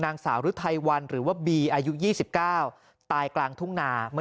นางสาวหรือไทยวันหรือว่าบีอายุ๒๙ตายกลางทุ่งนาเมื่อ